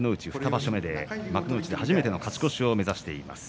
２場所目、幕内で初めての勝ち越しを目指しています。